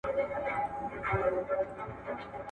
زه اجازه لرم چي تمرين وکړم